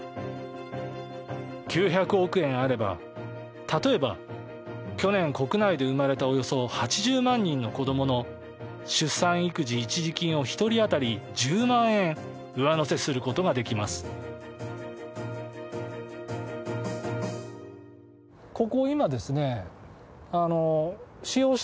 ９００億円あれば例えば去年国内で生まれたおよそ８０万人の子どもの出産育児一時金を１人当たり１０万円上乗せすることができます。ということでちょっと不動産の取材も